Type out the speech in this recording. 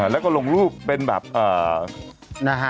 แล้วก็ลงรูปเป็นแบบนะฮะ